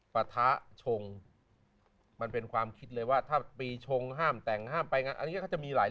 ปะทะชงมันเป็นความคิดเลยว่าถ้าปีชงห้ามแต่งห้ามไปงานอันนี้ก็จะมีหลาย